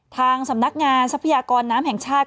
ทางสำนักงานทรัพยากรน้ำแห่งชาติ